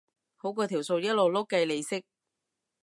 好過條數一路碌計利息